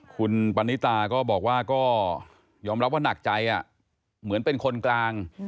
คุณปณิตาก็บอกว่าก็ยอมรับว่าหนักใจเหมือนเป็นคนกลาง